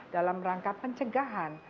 dalam rangka pencegahan